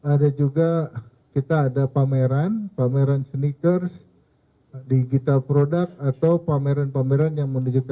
ada juga kita ada pameran pameran sneakers digital product atau pameran pameran yang menunjukkan